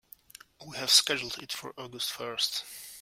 We have it scheduled for August first.